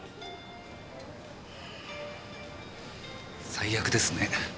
最悪ですね。